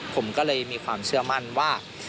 ผมก็เลยมีความเชื่อมั่นว่า